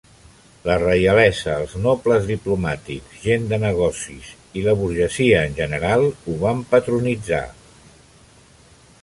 La reialesa, els nobles, diplomàtics, gent de negocies i la burgesia en general ho van patronitzar.